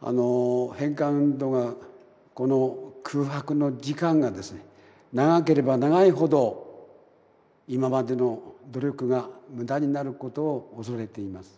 返還運動が、この空白の時間が長ければ長いほど、今までの努力がむだになることを恐れています。